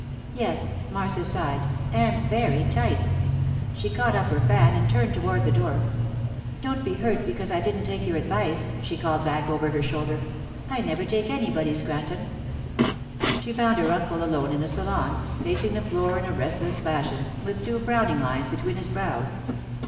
'Yes,' Marcia sighed—'and very tight!' She caught up her fan and turned toward the door. 'Don't be hurt because I didn't take your advice,' she called back over her shoulder. 'I never take anybody's, Granton.' She found her uncle alone in the salon, pacing the floor in a restless fashion, with two frowning lines between his brows.